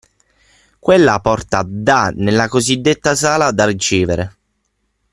Quella porta dà nella cosidetta sala da ricevere.